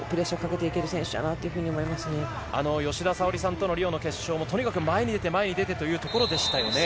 吉田沙保里さんとのリオの決勝もとにかく前に出てというところでしたね。